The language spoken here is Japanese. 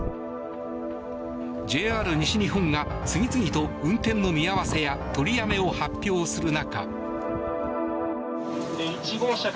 ＪＲ西日本が次々と運転の見合わせや取りやめを発表する中。